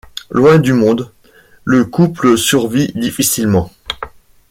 Loin du monde, le couple survit difficilement.